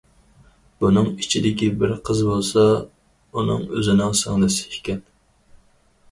بۇنىڭ ئىچىدىكى بىر قىز بولسا ئۇنىڭ ئۆزىنىڭ سىڭلىسى ئىكەن.